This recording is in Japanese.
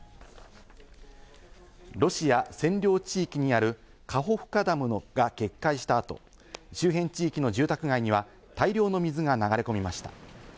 ロシア占領地域にあるカホフカダムが決壊した後、周辺地域の住宅街には大量の水が流れ込みました。